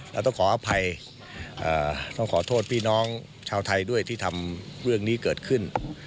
เราต้องขออภัยต้องขอโทษพี่น้องชาวไทยด้วยที่ทำเรื่องนี้เกิดขึ้น